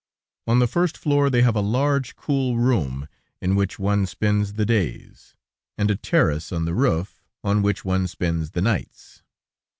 On the first floor, they have a large, cool room, in which one spends the days, and a terrace on the roof, on which one spends the nights.